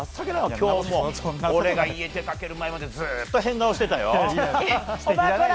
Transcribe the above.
今日も俺が家出かけるまでずっと変顔してたよ。